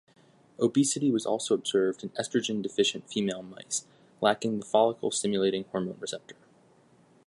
Obesity was also observed in estrogen deficient female mice lacking the follicle-stimulating hormone receptor.